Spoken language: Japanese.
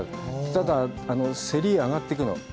ただ、競り、上がっていくの。